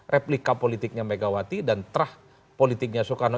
replika politiknya megawati dan terah politiknya soekarno